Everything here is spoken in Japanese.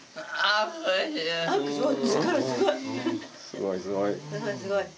すごいすごい。